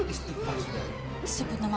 tentu taubat masih terbuka